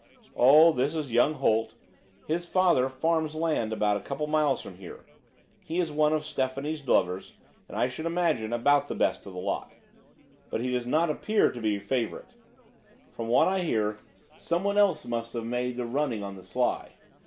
"Oh, this is young Holt; his father farms land about a couple of miles from here. He is one of Stephanie's lovers, and I should imagine about the best of the lot. But he does not appear to be first favourite; from what I hear someone else must have made the running on the sly.